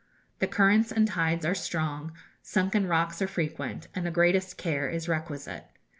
The currents and tides are strong, sunken rocks are frequent, and the greatest care is requisite.